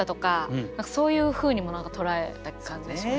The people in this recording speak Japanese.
そういうふうにも何か捉えた感じがしました。